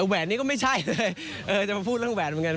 แหวนนี้ก็ไม่ใช่เลยจะมาพูดเรื่องแหวนเหมือนกัน